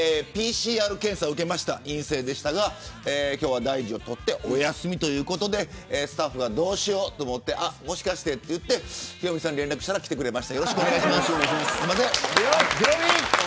ＰＣＲ検査を受けて陰性でしたが今日は大事を取ってお休みということでスタッフが、どうしようと思ってもしかして、ということでヒロミさんに連絡したら来てくれました。